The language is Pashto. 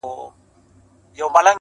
ځوانیمرګي ځوانۍ ځه مخته دي ښه شه،